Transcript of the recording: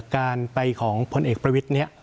การไปของพลเอกประวิทย์นี้